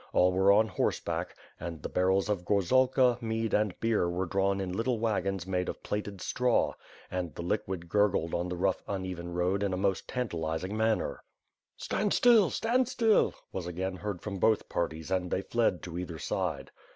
All were on horse back; and the barrels of gorzalka, mead and beer were drawn in little wagons made of plaited straw, and the liquid gurgled on the rough uneven road in a most tantalizing manner. "Stand still! Stand still!" was again heard from both parties and they fled to either side.